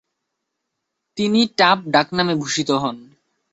তিনি টাপ ডাকনামে ভূষিত হন।